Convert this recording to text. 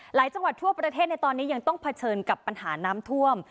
หลายจังหวัดทั่วประเทศในตอนนี้ยังต้องเผชิญกับปัญหาน้ำท่วม